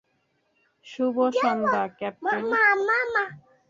শুভসন্ধ্যা, captain.